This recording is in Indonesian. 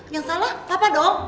yang salah papa dong